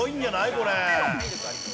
これ。